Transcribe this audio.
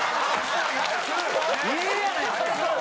ええやないですか。